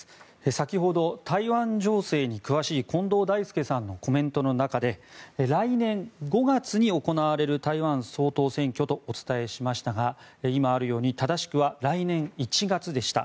先ほど、台湾情勢に詳しい近藤大介さんのコメントの中で来年５月に行われる台湾総統選挙とお伝えしましたが今あるように正しくは来年１月でした。